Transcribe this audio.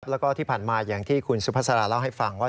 แล้วก็ที่ผ่านมาอย่างที่คุณสุภาษาเล่าให้ฟังว่า